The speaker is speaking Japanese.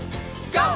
ＧＯ！